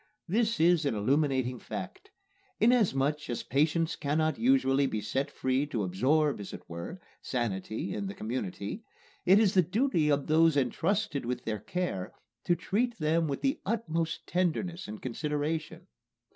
This is an illuminating fact. Inasmuch as patients cannot usually be set free to absorb, as it were, sanity in the community, it is the duty of those entrusted with their care to treat them with the utmost tenderness and consideration.